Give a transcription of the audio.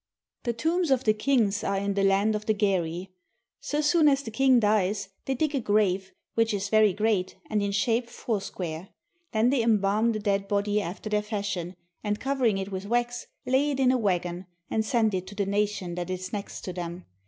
The tombs of the kings are in the land of the Gerrhi. So soon as the king dies, they dig a grave, which is very great, and in shape foursquare. Then they embalm the dead body after their fashion, and covering it with wax, lay it in a wagon, and send it to the nation that is next to them.